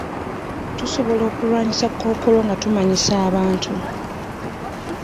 Tusobola okulwanyisa Kkookolo nga tumanyisa abantu.